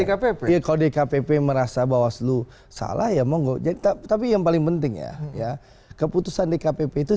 dkpp ya kalau dkpp merasa bahwa selu salah ya monggo jadi tapi yang paling penting ya ya keputusan dkpp itu